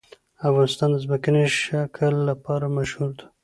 افغانستان د ځمکنی شکل لپاره مشهور دی.